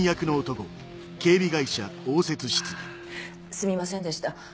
すみませんでした。